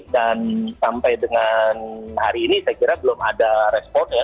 dan sampai dengan hari ini saya kira belum ada respon ya